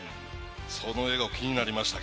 その笑顔が気になりましたね。